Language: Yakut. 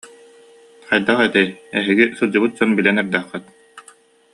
Хайдах этэй, эһиги, сылдьыбыт дьон, билэн эрдэххит